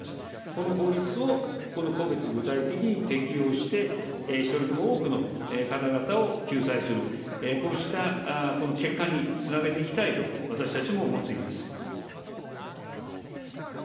この法律をこの個別具体的に適用して、一人でも多くの方々を救済する、こうしたこの結果につなげていきたいと、私たちも思っています。